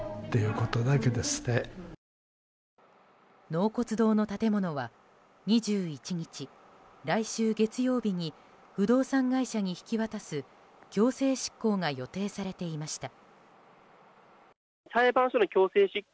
納骨堂の建物は２１日、来週月曜日に不動産会社に引き渡す強制執行が予定されていました。